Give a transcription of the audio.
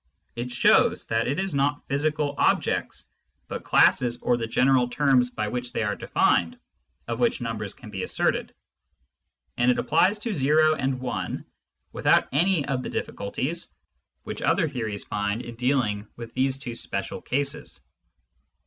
It shows that it is not physical objects, but classes or the general terms by which they are defined, of which numbers can be asserted ; and it applies to o and i with out any of the difficulties which other theories find in dealing with these two special cases.